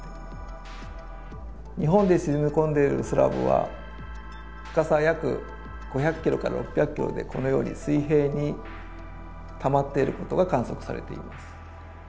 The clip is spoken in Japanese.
日本で沈み込んでいるスラブは深さ約５００キロから６００キロでこのように水平にたまっていることが観測されています。